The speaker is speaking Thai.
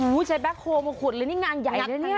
โอ้ใช้แบ็คโครมาขุดเลยนี่งานใหญ่รึเนี้ย